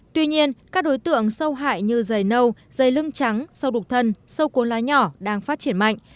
tuy nhiên các đối tượng sâu hại như dày nâu dày lưng trắng sâu đục thân sâu cuốn lá nhỏ đang phát triển mạnh